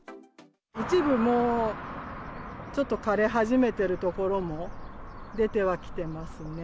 一部もう、ちょっとかれ始めてる所も出てはきてますね。